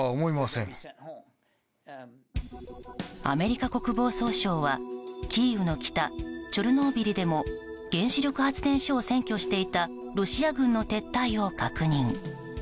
アメリカ国防総省はキーウの北チョルノービリでも原子力発電所を占拠していたロシア軍の撤退を確認。